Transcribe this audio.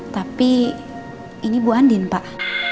tapi ini bu andin pak